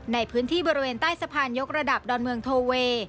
ในพื้นที่บริเวณใต้สะพานยกระดับดอนเมืองโทเวย์